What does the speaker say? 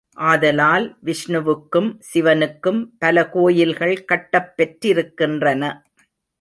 ஆதலால் விஷ்ணுவுக்கும் சிவனுக்கும் பல கோயில்கள் கட்டப் பெற்றிருக்கின்றன.